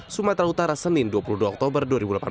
sumatera utara senin dua puluh dua oktober dua ribu delapan belas